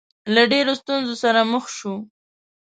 له ډېرو ستونزو سره مخ شو.